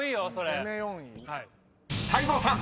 ［泰造さん］